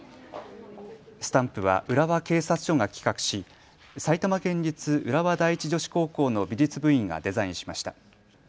スタンプは浦和警察署が企画し埼玉県立浦和第一女子高校の美術部員がデザインしました。